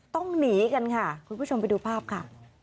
ต้องหนีกันค่ะคุณผู้ชมไปดูภาพค่ะ